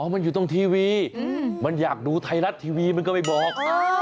มันอยู่ตรงทีวีมันอยากดูไทยรัฐทีวีมันก็ไม่บอก